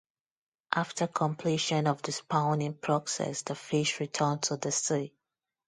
After completion of the spawning process, the fish return to the sea.